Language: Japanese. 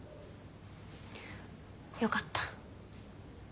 よかった。